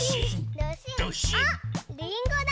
あっりんごだ！